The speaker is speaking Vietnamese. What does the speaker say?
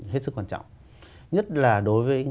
hết sức quan trọng nhất là đối với